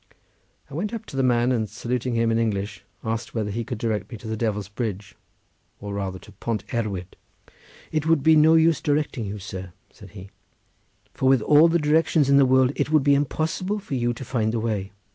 I went up to the man, and saluting him in English, asked whether he could direct me to the devil's bridge, or rather to Pont Erwyd. "It would be of no use directing you, sir," said he, "for with all the directions in the world it would be impossible for you to find the way.